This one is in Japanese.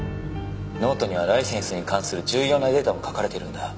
ノートにはライセンスに関する重要なデータも書かれてるんだ。